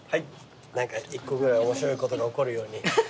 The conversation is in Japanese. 何か１個ぐらい面白いことが起こるように。